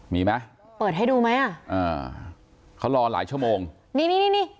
มีไหมเปิดให้ดูไหมอ่ะอ่าเขารอหลายชั่วโมงนี่นี่นี่นี่